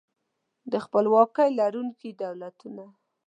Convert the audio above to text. د خپلواکۍ لرونکي دولتونه